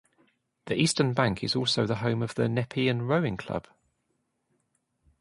The eastern bank is also the home of the Nepean Rowing Club.